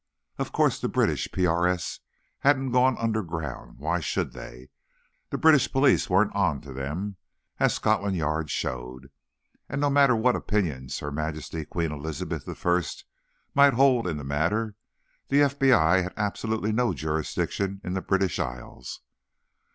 Of course the British PRS hadn't gone underground; why should they? The British police weren't on to them, as Scotland Yard showed. And, no matter what opinions Her Majesty Queen Elizabeth I might hold in the matter, the FBI had absolutely no jurisdiction in the British Isles.